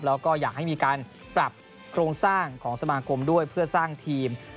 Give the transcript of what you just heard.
แล้วก็อยากให้มีการปรับโครงสร้างของสมาคมด้วยเพื่อสร้างทีม